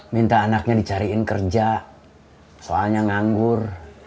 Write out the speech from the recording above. minta anaknya dicariin kerja soalnya nganggur